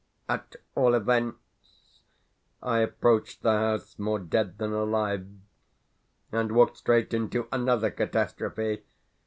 At all events, I approached the house more dead than alive, and walked straight into another catastrophe.